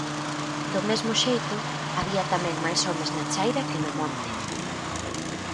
Do mesmo xeito, había tamén máis homes na chaira que no monte.